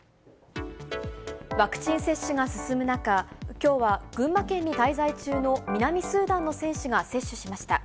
ワクチン接種が進む中、きょうは、群馬県に滞在中の南スーダンの選手が接種しました。